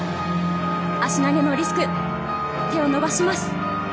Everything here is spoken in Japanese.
足投げのリスク、手を伸ばします。